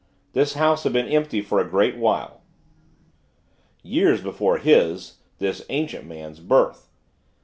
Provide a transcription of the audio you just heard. This house had been empty for a great while; years before his the ancient man's birth.